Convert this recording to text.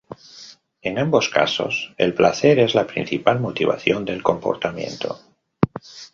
En ambos casos el placer es la principal motivación del comportamiento.